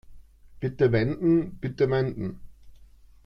Bitte wenden, bitte wenden.